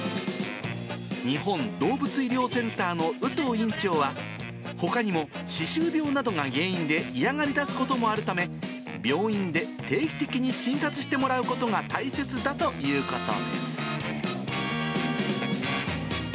日本動物医療センターの有藤院長は、ほかにも歯周病などが原因で嫌がりだすこともあるため、病院で定期的に診察してもらうことが大切だということです。